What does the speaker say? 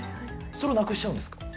それをなくしちゃうんですか？